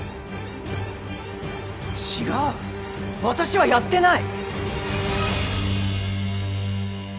違う私はやってない。